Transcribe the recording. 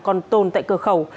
còn tồn tại cửa khẩu